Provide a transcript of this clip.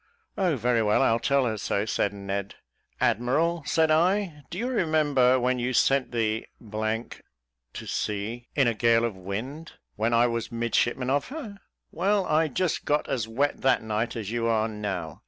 "Oh, very well, I'll tell her so," said Ned. "Admiral," said I, "do you remember when you sent the to sea in a gale of wind, when I was midshipman of her? Well, I got just as wet that night as you are now.